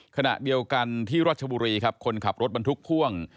ขณะเดียวกันที่รัชบุรีครับคนขับรถบรรทุกพ่วง